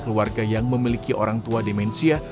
keluarga yang memiliki orang tua demensia